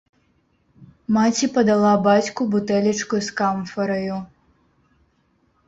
Маці падала бацьку бутэлечку з камфараю.